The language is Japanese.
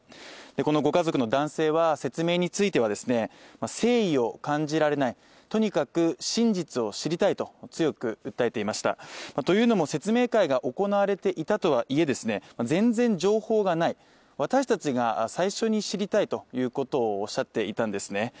このご家族の男性は説明についてはですね、誠意を感じられない、とにかく真実を知りたいと強く訴えていましたというのも説明会が行われていたとはいえですね、全然情報がない私達が最初に知りたいということをおっしゃっていたんですね。